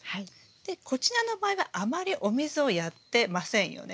でこちらの場合はあまりお水をやってませんよね。